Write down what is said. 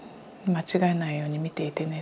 間違えないように見ていてね。